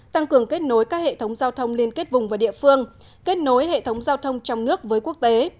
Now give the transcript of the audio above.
tăng cường kết nối các hệ thống giao thông liên kết vùng và địa phương kết nối hệ thống giao thông trong nước với quốc tế